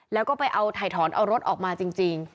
แล้วก็ไปเอาถ่ายถอนเอารถออกมาจริง